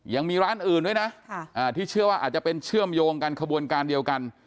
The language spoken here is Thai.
ยังมีร้านอื่นด้วยนะที่เชื่อว่าอาจจะเป็นเชื่อมโยงกันขบวนการเดียวกัน